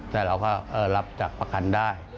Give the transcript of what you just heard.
แต่เราก็รับจากประกันได้